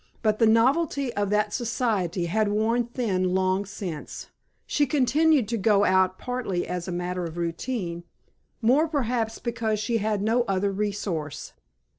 But the novelty of that society had worn thin long since; she continued to go out partly as a matter of routine, more perhaps because she had no other resource.